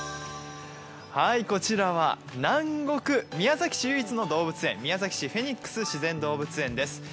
こちらは南国・宮崎市唯一の動物園宮崎市フェニックス自然動物園です。